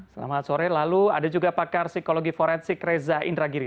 selamat sore lalu ada juga pakar psikologi forensik reza indragiri